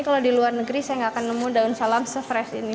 kalau di luar negeri saya nggak akan nemu daun salam se fresh ini